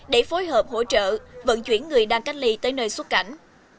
để phối hợp hỗ trợ vận chuyển người đang cách ly tới nơi xuất cảnh